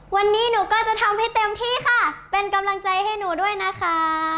วันนี้หนูก็จะทำให้เต็มที่ค่ะเป็นกำลังใจให้หนูด้วยนะคะ